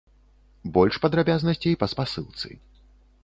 Больш падрабязнасцей па спасылцы.